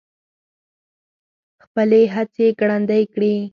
خپلې هڅې ګړندۍ کړي.